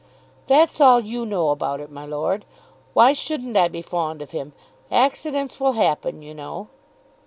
"That's all you know about it, my lord. Why shouldn't I be fond of him? Accidents will happen, you know."